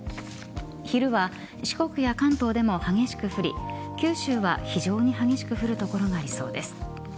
昼は四国や関東でも激しく降り九州は非常に激しく降る所がありそうです。